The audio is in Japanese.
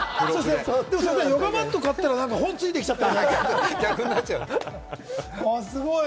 ヨガマットを買ったら本ついてきちゃったみたいな。